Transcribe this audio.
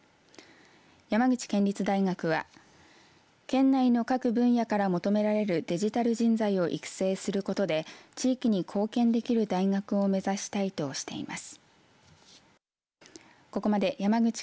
山口県立大学は県内の各分野から求められるデジタル人材を育成することで地域に貢献できる大学を目指したいとしています。